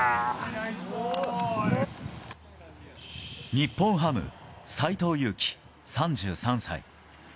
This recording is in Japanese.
日本ハム斎藤佑樹、３３歳。